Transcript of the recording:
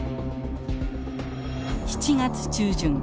７月中旬